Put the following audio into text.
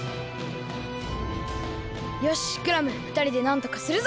よしクラムふたりでなんとかするぞ！